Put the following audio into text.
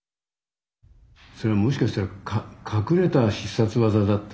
それはもしかしたら隠れた必殺技だってね